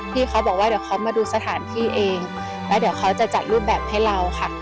เขาบอกว่าเดี๋ยวเขามาดูสถานที่เองแล้วเดี๋ยวเขาจะจัดรูปแบบให้เราค่ะ